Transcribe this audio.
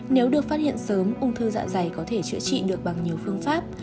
nếu được phát hiện sớm ung thư dạ dày có thể chữa trị được bằng nhiều phương pháp